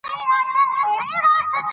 ګاز د افغانستان یوه طبیعي ځانګړتیا ده.